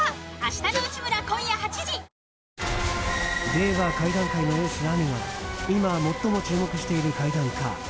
令和怪談界のエースぁみが今最も注目している怪談家。